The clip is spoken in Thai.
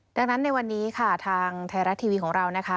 ดังนั้นในวันนี้ค่ะทางไทยรัฐทีวีของเรานะคะ